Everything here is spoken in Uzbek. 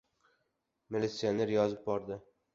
Militsioner yozib bordi.